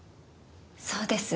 そうです。